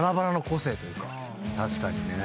確かにね。